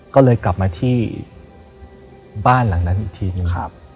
ก็เลยกลับมาที่บ้านหลังนั้นอีกทีหนึ่ง